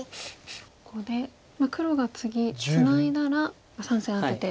ここで黒が次ツナいだら３線アテて。